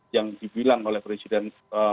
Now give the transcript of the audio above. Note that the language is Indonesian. yang dibilang oleh presiden